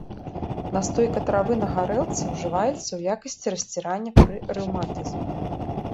Настойка травы на гарэлцы ўжываецца ў якасці расцірання пры рэўматызме.